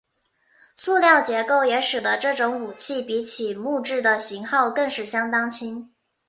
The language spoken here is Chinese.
塑料结构也使得这种武器比起木制的型号更是相当轻。